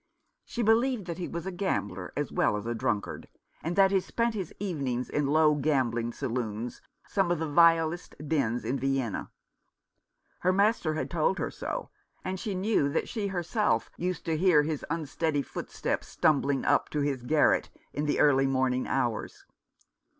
She believed that he was a gambler as well as a drunkard, and that he spent his evenings in low gambling saloons, some of the vilest dens in Vienna. Her master had told her so, and she knew that she herself used to hear his unsteady footsteps stumbling up to his garret in the early morning hours.